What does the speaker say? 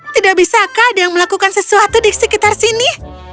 tidak bisakah ada yang melakukan sesuatu di sekitar sini